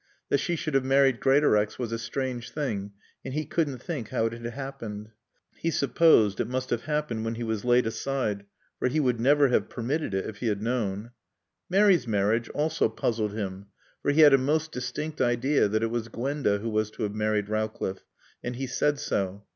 That she should have married Greatorex was a strange thing, and he couldn't think how it had happened. He supposed it must have happened when he was laid aside, for he would never have permitted it if he had known. Mary's marriage also puzzled him, for he had a most distinct idea that it was Gwenda who was to have married Rowcliffe, and he said so.